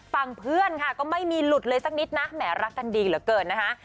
เพื่อนค่ะก็ไม่มีหลุดเลยสักนิดนะแหมรักกันดีเหลือเกินนะคะ